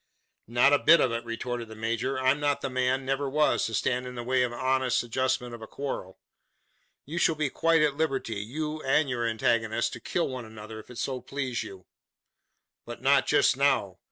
"Not a bit of it," retorted the major. "I'm not the man never was to stand in the way of the honest adjustment of a quarrel. You shall be quite at liberty you and your antagonist to kill one another, if it so please you. But not just now.